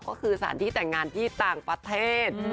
ก็คือสถานที่แต่งงานที่ต่างประเทศ